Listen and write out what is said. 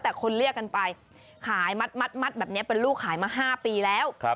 แต่คนเรียกกันไปขายมัดแบบนี้เป็นลูกขายมา๕ปีแล้ว